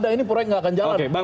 nah ini proyek nggak akan jalan